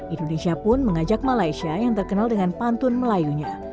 indonesia pun mengajak malaysia yang terkenal dengan pantun melayunya